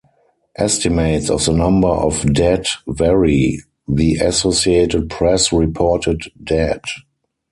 Estimates of the number of dead vary; the Associated Press reported dead.